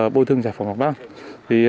bôi thương giải phóng hoặc vang